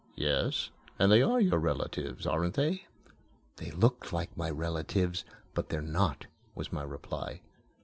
"Yes, and they are your relatives, aren't they?" "They look like my relatives, but they're not," was my reply.